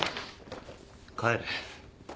帰れ。